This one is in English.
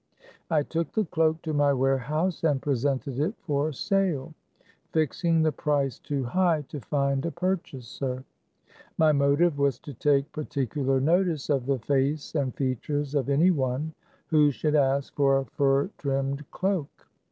I took the cloak to my warehouse, and pre sented it for sale, fixing the price too high to THE CAB AVAN. 137 find a purchaser. My motive was to take par ticular notice of the face and features of any one who should ask for a fur trimmed cloak.